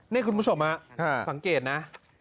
นี่คุณผู้ชมสังเกตนะ